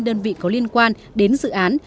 đơn vị có liên quan đến dự án